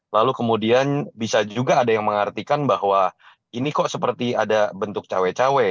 lalu kemudian bisa juga ada yang mengartikan bahwa ini kok seperti ada bentuk cawe cawe